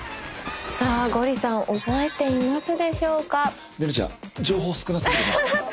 さあゴリさん覚えていますでしょうか？